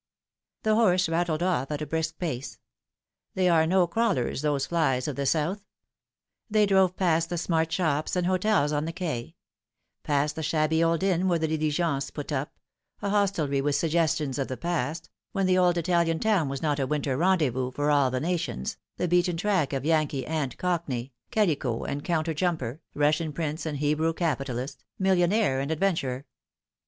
The horse rattled off at a brisk pace. They are no crawlers, those flys of the South. They drove past the smart shops and hotels on the quay ; past the shabby old inn where the diligences put up, a hostelry with suggestions of the past, when the old Italian town was not a winter rendezvous for all the nations, the beaten track of Yankee and Cockney, calicot and counter jumper, Russian prince and Hebrew capitalist, millionaire and adventurer.